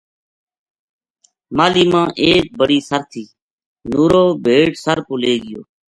ماہلی ما ایک بڑی سر تھی نُورو بھیڈ سر پو لے گیو